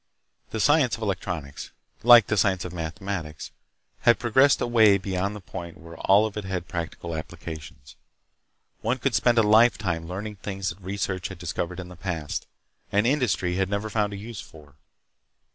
The science of electronics, like the science of mathematics, had progressed away beyond the point where all of it had practical applications. One could spend a lifetime learning things that research had discovered in the past, and industry had never found a use for.